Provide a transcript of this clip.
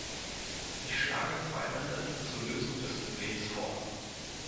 Ich schlage zwei Ansätze zur Lösung des Problems vor.